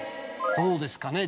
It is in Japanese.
どうですかね